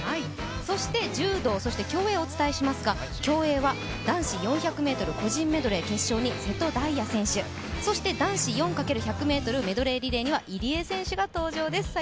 そして柔道、競泳をお伝えしますが、競泳は男子４００ｍ、個人メドレー決勝に瀬戸大也選手、そして男子４×１００ｍメドレーリレーには入江陵介選手。